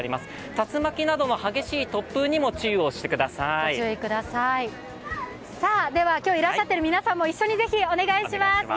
竜巻などの激しい突風にもでは、今日いらっしゃっている皆さんも一緒にお願いします。